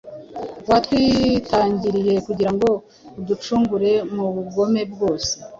watwitangiriye kugira ngo aducungure mu bugome bwose,